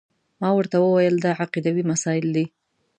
ما ورته وویل دا عقیدوي مسایل دي.